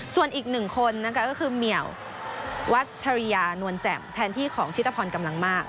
ส่วนอีกหนึ่งคนนะคะก็คือเหมียวัชริยานวลแจ่มแทนที่ของชิตพรกำลังมาก